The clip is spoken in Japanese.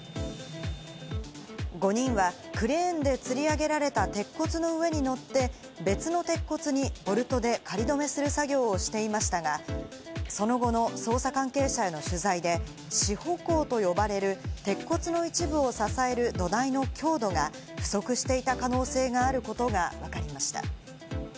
５人はクレーンで吊り上げられた鉄骨の上に乗って、別の鉄骨にボルトで仮止めする作業をしていましたが、その後の捜査関係者への取材で支保工と呼ばれる鉄骨の一部を支える土台の強度が不足していた可能性があることがわかりました。